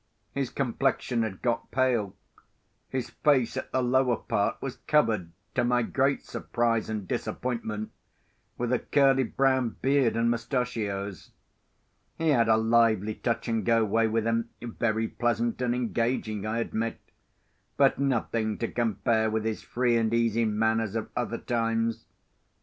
His complexion had got pale: his face, at the lower part was covered, to my great surprise and disappointment, with a curly brown beard and moustachios. He had a lively touch and go way with him, very pleasant and engaging, I admit; but nothing to compare with his free and easy manners of other times.